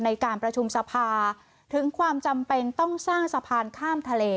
ในการประชุมสภาถึงความจำเป็นต้องสร้างสะพานข้ามทะเล